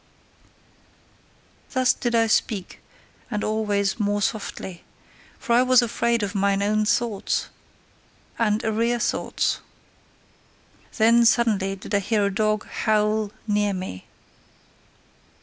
Thus did I speak, and always more softly: for I was afraid of mine own thoughts, and arrear thoughts. Then, suddenly did I hear a dog HOWL near me.